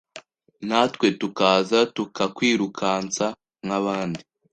natwe tukaza tukakwirukansa nkabandi